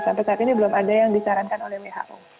sampai saat ini belum ada yang disarankan oleh who